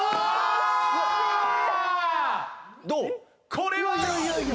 これは。